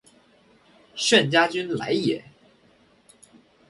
炫家军来也！